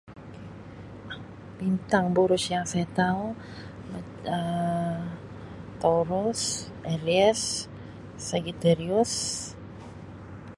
Bintang buruj yang saya tau Um Taurus, Aries, Sagitarius.